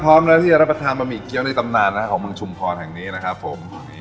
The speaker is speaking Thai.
พร้อมหน้าที่จะหรับปะหมี่เกี๊ยวในตำนานของเมืองชุมพรที่ีนนี้นะครับผม